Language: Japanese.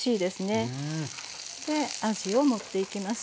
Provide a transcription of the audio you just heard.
であじを盛っていきます。